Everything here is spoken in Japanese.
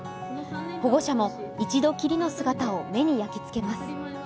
保護者も一度きりの姿を目に焼きつけます。